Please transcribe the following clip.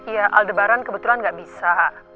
ya aldebaran kebetulan nggak bisa